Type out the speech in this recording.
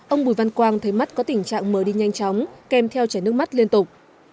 ông bùi văn quang thấy mắt có tình trạng mờ đi nhanh chóng kèm theo chảy nước mắt liên tục